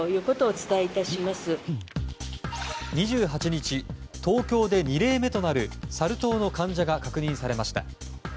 ２８日東京で２例目となるサル痘の患者が確認されました。